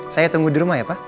saya tunggu dirumah ya pak